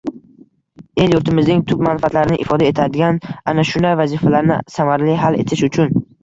El-yurtimizning tub manfaatlarini ifoda etadigan ana shunday vazifalarni samarali hal etish uchun